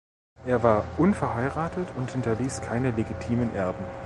Er war unverheiratet und hinterließ keine legitimen Erben.